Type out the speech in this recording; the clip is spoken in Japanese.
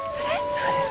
そうです。